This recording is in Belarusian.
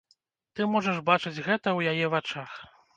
Ты можаш бачыць гэта ў яе вачах.